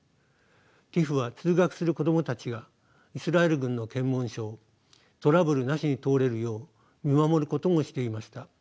ＴＩＰＨは通学する子供たちがイスラエル軍の検問所をトラブルなしに通れるよう見守ることもしていました。